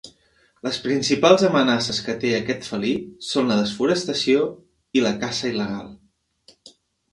Les principals amenaces que té aquest felí són la desforestació i la caça il·legal.